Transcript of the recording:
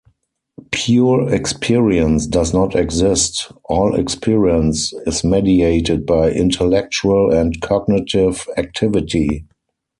"Pure experience" does not exist; all experience is mediated by intellectual and cognitive activity.